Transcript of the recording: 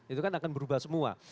itu kan akan berubah semua